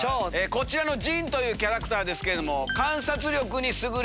こちらのジンというキャラクターですけれども。